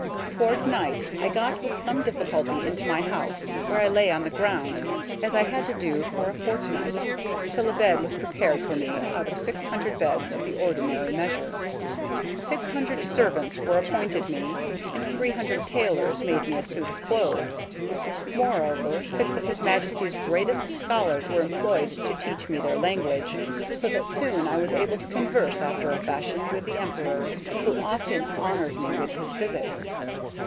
Toward night I got with some difficulty into my house, where I lay on the ground, as I had to do for a fortnight, till a bed was prepared for me out of six hundred beds of the ordinary measure. Six hundred servants were appointed me, and three hundred tailors made me a suit of clothes. Moreover, six of his Majesty's greatest scholars were employed to teach me their language, so that soon I was able to converse after a fashion with the Emperor, who often honored me with his visits.